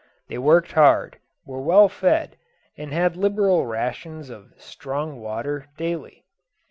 They worked hard, were well fed, and had liberal rations of "strong water" daily.